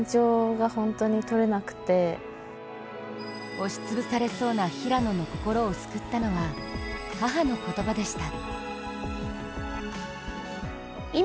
押しつぶされそうな平野の心を救ったのは母の言葉でした。